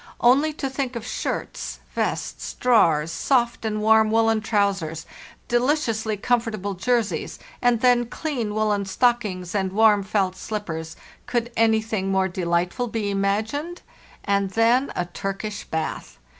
Only to think of shirts, vests, drawers, soft and warm woollen trousers, delicious ly comfortable jerseys, and then clean woollen stockings and warm felt slippers—could anything more delightful be imagined? And then a Turkish bath!